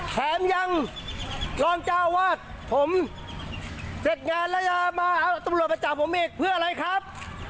แถมยังรองเจ้าวาดผมเสร็จงานแล้วจะมาเอาตำรวจมาจับผมอีกเพื่ออะไรครับ